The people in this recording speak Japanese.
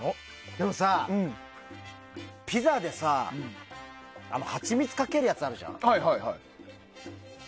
でもさ、ピザでさハチミツかけるやつあるじゃん？